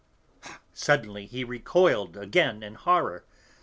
Suddenly he recoiled again in horror.